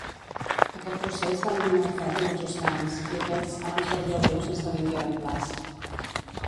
Aquest procés va eliminar el ferro dels oceans, i aquests, abans verdosos, esdevingueren clars.